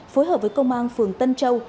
phối hợp với công an phường tân châu